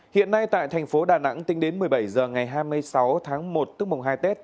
hiện nay tại thành phố đà nẵng tính đến một mươi bảy h ngày hai mươi sáu tháng một tức mùng hai tết